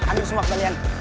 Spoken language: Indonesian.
dibak ambil semua kembalian